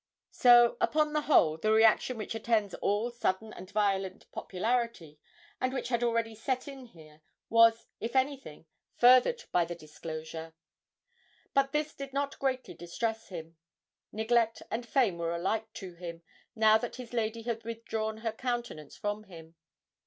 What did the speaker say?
So upon the whole, the reaction which attends all sudden and violent popularity, and which had already set in here, was, if anything, furthered by the disclosure. But this did not greatly distress him. Neglect and fame were alike to him, now that his lady had withdrawn her countenance from him.